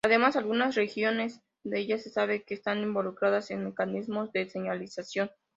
Además algunas regiones de ella se sabe que están involucradas en mecanismos de señalización.